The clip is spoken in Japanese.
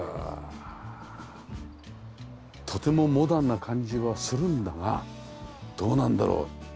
とてもモダンな感じはするんだがどうなんだろう？